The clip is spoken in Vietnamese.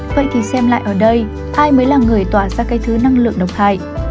vậy thì xem lại ở đây ai mới là người tỏa ra cái thứ năng lượng độc hại